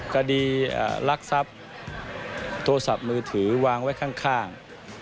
คดีรักทรัพย์โทรศัพท์มือถือวางไว้ข้าง